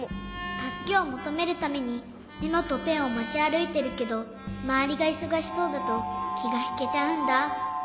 たすけをもとめるためにメモとペンをもちあるいてるけどまわりがいそがしそうだときがひけちゃうんだ。